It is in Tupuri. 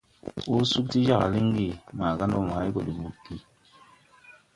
Hɔɔ sug ti jāg lingi maga ndo mo hay gɔ de budgi.